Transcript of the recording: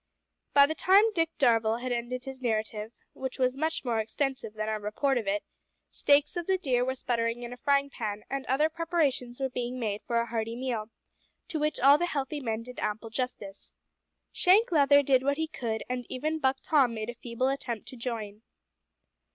By the time Dick Darvall had ended his narrative which was much more extensive than our report of it steaks of the deer were sputtering in a frying pan, and other preparations were being made for a hearty meal, to which all the healthy men did ample justice. Shank Leather did what he could, and even Buck Tom made a feeble attempt to join.